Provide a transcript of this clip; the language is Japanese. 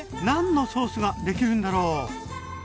何のソースができるんだろう？